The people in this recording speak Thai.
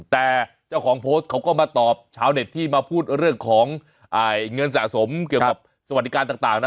แต่เจ้าของโพสต์เขาก็มาตอบชาวเน็ตที่มาพูดเรื่องของเงินสะสมเกี่ยวกับสวัสดิการต่างนะ